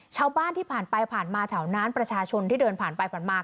ชาวบ้านที่ผ่านไปผ่านมาแถวนั้นประชาชนที่เดินผ่านไปผ่านมา